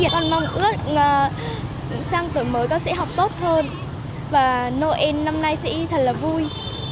con mong ước sang tuổi mới con sẽ học tốt hơn và noel năm nay sẽ in thật là vui